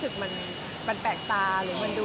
แอนอาจจะไม่ค่อยทำละครตกตี